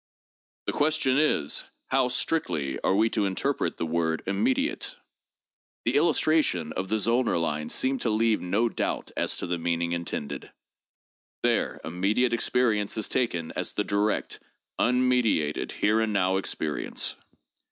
The question is : How, strictly, are we to interpret the word ' im mediate'? The illustration of the Zollner lines seemed to leave no doubt as to the meaning intended. There, immediate experience is taken as the direct, unmediated, here and now experience.